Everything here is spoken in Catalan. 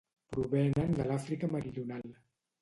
Provenen de l'Àfrica meridional.